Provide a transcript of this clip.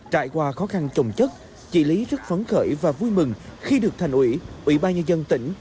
trải qua khó khăn trồng chất chị lý rất phấn khởi và vui mừng khi được thành ủy ủy ban nhân dân tỉnh